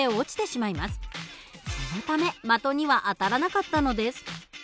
そのため的には当たらなかったのです。